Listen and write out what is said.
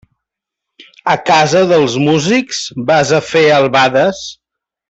A casa dels músics vas a fer albades?